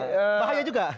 tapi bahaya juga